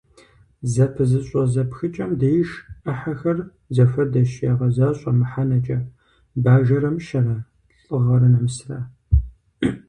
Зэпызыщӏэ зэпхыкӏэм деж ӏыхьэхэр зэхуэдэщ ягъэзащӏэ мыхьэнэкӏэ: бажэрэ мыщэрэ, лӏыгъэрэ нэмысрэ.